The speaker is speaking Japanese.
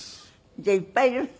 じゃあいっぱいいるんだ。